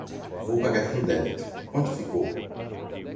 Vou pagar no débito. Quanto ficou?